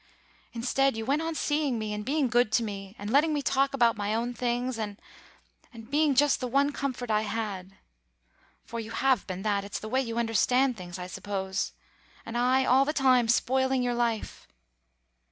Instead, you went on seeing me and being good to me, and letting me talk about my own things, and and being just the one comfort I had, (for you have been that; it's the way you understand things, I suppose) and I all the time spoiling your life.